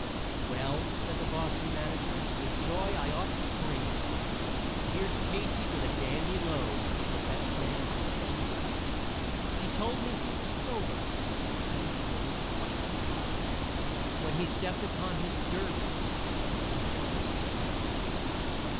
"Well," said the Boston manager, "with joy I ought to scream Here's Casey with a dandy load, the best man on the team. He told me he was sober, but he couldn't quite get by When he stepped upon his derby and was yanking off his tie.